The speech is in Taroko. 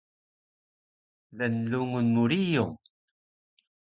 lnlungun mu riyung